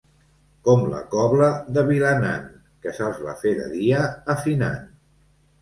Com la cobla de Vilanant, que se'ls va fer de dia afinant.